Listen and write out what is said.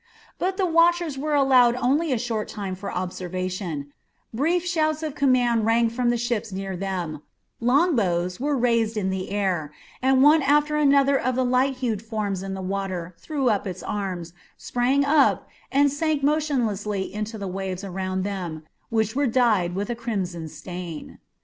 But the watchers were allowed only a short time for observation; brief shouts of command rang from the ships near them, long bows were raised in the air, and one after another of the light hued forms in the water threw up its arms, sprang up, or sank motionless into the waves around them, which were dyed with a crimson stain.